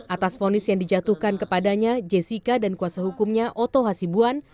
atas fonis yang dijatuhkan kepadanya jessica dan kuasa hukumnya oto hasibuan